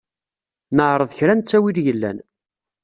Neɛreḍ kra n ttawil yellan.